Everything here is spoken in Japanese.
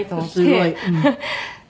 すごい。